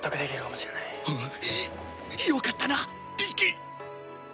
よかったな一輝！